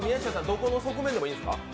どこの側面でもいいです。